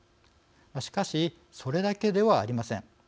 しかし、それだけではありません。